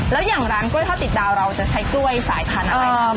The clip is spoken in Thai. แล้วอย่างร้านกล้วยทอดติดดาวเราจะใช้กล้วยสายพันธุ์อะไร